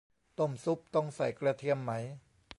ต้มซุปต้องใส่กระเทียมไหม